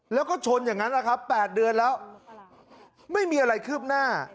แล้วก็ชนอย่างนั้นนะครับ๘เดือนแล้วไม่มีอะไรคืบหน้า